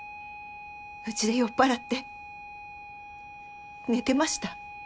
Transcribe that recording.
うちで酔っ払って寝てました。